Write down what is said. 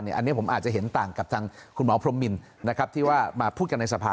อันนี้ผมอาจจะเห็นต่างกับทางคุณหมอพรมมินนะครับที่ว่ามาพูดกันในสภา